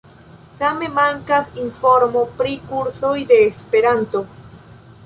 Same mankas informo pri kursoj de esperanto.